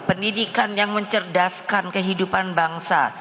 pendidikan yang mencerdaskan kehidupan bangsa